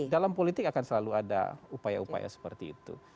dalam politik akan selalu ada upaya upaya seperti itu